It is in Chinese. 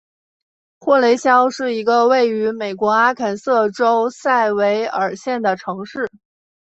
霍雷肖是一个位于美国阿肯色州塞维尔县的城市。